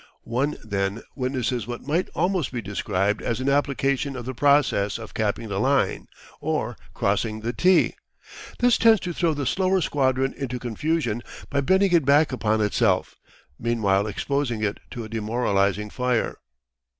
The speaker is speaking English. One then, witnesses what might almost be described as an application of the process of capping the line or "crossing the 'T.'" This tends to throw the slower squadron into confusion by bending it back upon itself, meanwhile exposing it to a demoralizing fire.